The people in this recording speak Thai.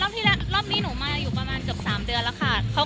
รอบที่ระละรอบนี้หนูมาอยู่ประมาณ๓เดือนแล้วค่ะ